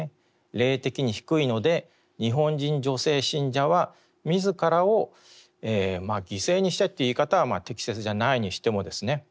霊的に低いので日本人女性信者は自らを犠牲にしてという言い方は適切じゃないにしてもですね